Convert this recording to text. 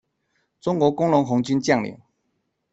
中国工农红军将领。